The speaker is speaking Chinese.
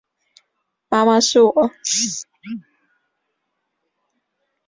妈妈，是我